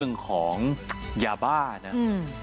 ภัฏยาบ่าน่ะอืม